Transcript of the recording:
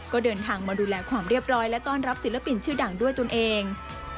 ก็เดินทางมาดูแลความเรียบร้อยและต้อนรับศิลปินชื่อดังด้วยตนเอง